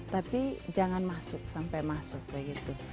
tapi jangan masuk sampai masuk begitu